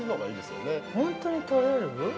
◆本当に取れる？